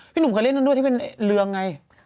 หนุ่มก็เล่นนั้นด้วยที่เป็นเรืองไง